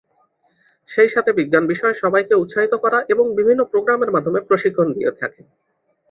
সেই সাথে বিজ্ঞান বিষয়ে সবাইকে উৎসাহিত করা এবং বিভিন্ন প্রোগ্রামের মাধ্যমে প্রশিক্ষণ দিয়ে থাকে।